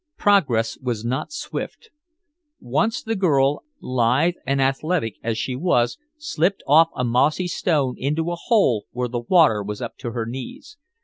Progress was not swift. Once the girl, lithe and athletic as she was, slipped off a mossy stone into a hole where the water was up to her knees.